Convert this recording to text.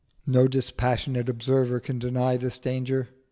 No dispassionate observer can deny this danger.